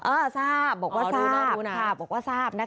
เออทราบบอกว่าทราบ